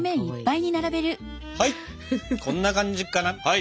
はいこんな感じかな。